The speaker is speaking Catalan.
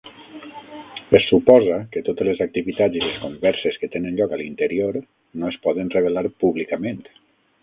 Es suposa que totes les activitats i les converses que tenen lloc a l'interior no es poden revelar públicament.